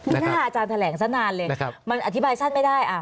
หน้าอาจารย์แถลงซะนานเลยมันอธิบายสั้นไม่ได้